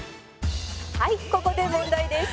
「はいここで問題です」